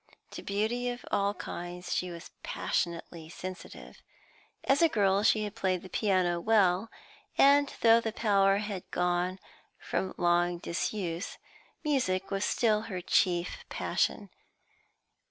To beauty of all kinds she was passionately sensitive. As a girl she had played the piano well, and, though the power had gone from long disuse, music was still her chief passion.